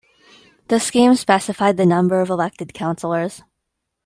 The scheme specified the number of elected councillors.